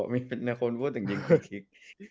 มีคนพูดถึงคลิก